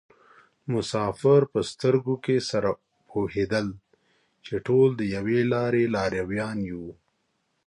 مسافر په سترګو کې سره پوهېدل چې ټول د یوې لارې لارویان وو.